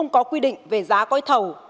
có quy định về giá gói thầu